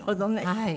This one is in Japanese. はい。